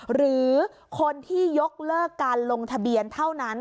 หรือคนที่ยกเลิกการลงทะเบียนเท่านั้น